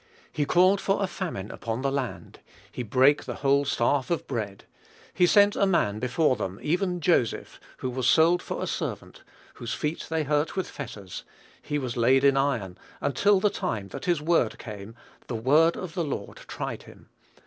"He called for a famine upon the land: he brake the whole staff of bread. He sent a man before them, even Joseph, who was sold for a servant; whose feet they hurt with fetters; he was laid in iron; until the time that his word came; the word of the Lord tried him.